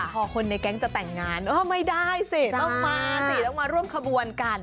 พอคนในแก๊งจะแต่งงานไม่ได้สิต้องมาสิต้องมาร่วมขบวนกัน